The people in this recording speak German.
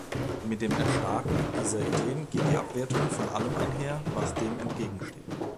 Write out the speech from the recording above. Mit dem Erstarken dieser Ideen geht die Abwertung von allem einher, was dem entgegensteht.